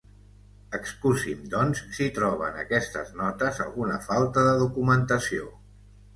Excusi'm, doncs, si troba en aquestes notes alguna falta de documentació».